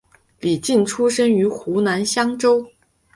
李普出生于湖南湘乡。